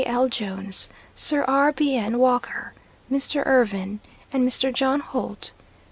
L. Jones, Sir. R. B. N. Walker, Mr. Irvine, and Mr. John Holt.